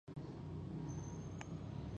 روغ غاښونه د ښه ژوند کولو لپاره اړین دي.